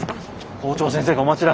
校長先生がお待ちだ。